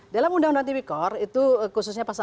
dalam undang undang tipikor itu khususnya pasal empat belas